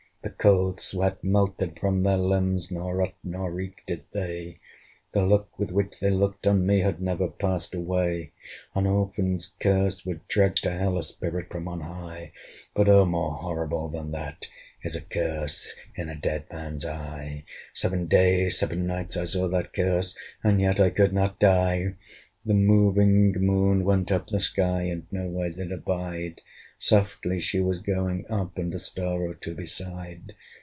The cold sweat melted from their limbs, Nor rot nor reek did they: The look with which they looked on me Had never passed away. An orphan's curse would drag to Hell A spirit from on high; But oh! more horrible than that Is a curse in a dead man's eye! Seven days, seven nights, I saw that curse, And yet I could not die. The moving Moon went up the sky, And no where did abide: Softly she was going up, And a star or two beside.